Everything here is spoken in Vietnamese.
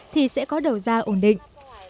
thì sẽ có đầu ra ổn định